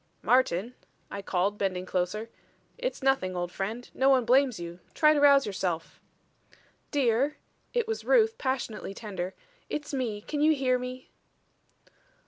"Martin," I called, bending closer, "it's nothing, old friend. No one blames you. Try to rouse yourself." "Dear," it was Ruth, passionately tender, "it's me. Can you hear me?"